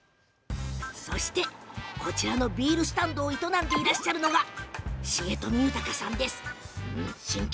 こちらのビールスタンドを営んでいらっしゃるのが重富寛さん。